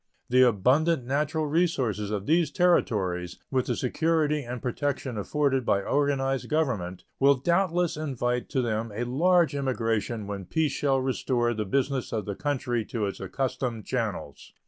The abundant natural resources of these Territories, with the security and protection afforded by organized government, will doubtless invite to them a large immigration when peace shall restore the business of the country to its accustomed channels.